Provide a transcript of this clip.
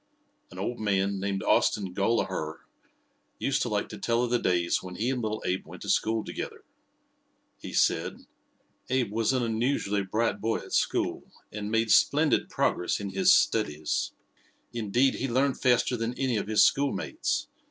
An old man, named Austin Gollaher, used to like to tell of the days when he and little Abe went to school together. He said: "Abe was an unusually bright boy at school, and made splendid progress in his studies. Indeed, he learned faster than any of his schoolmates.